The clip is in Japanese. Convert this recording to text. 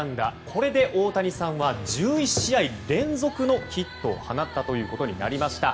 これで大谷さんは１１試合連続のヒットを放ったことになりました。